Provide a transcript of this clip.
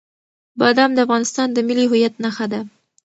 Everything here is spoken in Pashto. بادام د افغانستان د ملي هویت نښه ده.